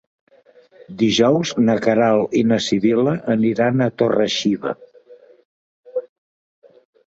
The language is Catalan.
Dijous na Queralt i na Sibil·la aniran a Torre-xiva.